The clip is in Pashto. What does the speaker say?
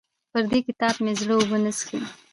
پر دې کتاب مې زړه اوبه نه څښي.